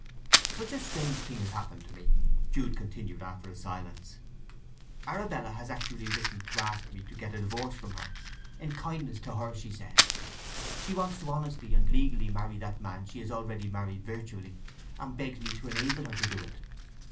"Such a strange thing has happened to me," Jude continued after a silence. "Arabella has actually written to ask me to get a divorce from her—in kindness to her, she says. She wants to honestly and legally marry that man she has already married virtually; and begs me to enable her to do it."